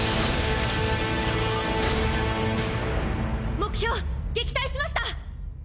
目標撃退しました！